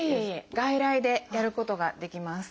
外来でやることができます。